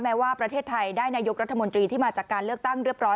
แม้ว่าประเทศไทยได้นายกรัฐมนตรีที่มาจากการเลือกตั้งเรียบร้อย